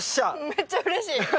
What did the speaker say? めっちゃうれしい。